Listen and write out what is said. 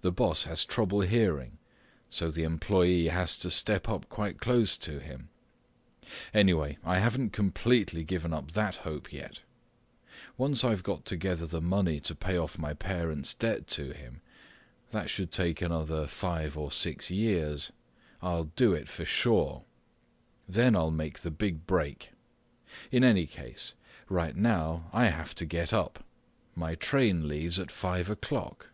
The boss has trouble hearing, so the employee has to step up quite close to him. Anyway, I haven't completely given up that hope yet. Once I've got together the money to pay off my parents' debt to him—that should take another five or six years—I'll do it for sure. Then I'll make the big break. In any case, right now I have to get up. My train leaves at five o'clock."